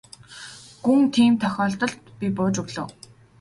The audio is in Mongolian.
Гүн тийм тохиолдолд би бууж өглөө.